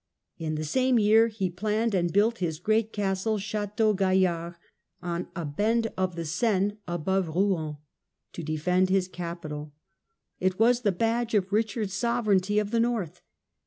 In the same year he planned and built his great castle. Chateau Gaillard, on a bend of the Seine above Rouen, to defend his capital It was the badge of Richard's sovereignty of the north.